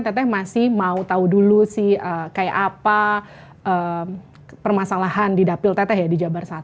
teteh masih mau tahu dulu sih kayak apa permasalahan di dapil teteh ya di jabar satu